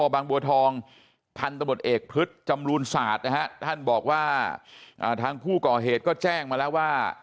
บทเอกพฤษจำรูญศาสตร์นะฮะท่านบอกว่าทางผู้ก่อเหตุก็แจ้งมาแล้วว่า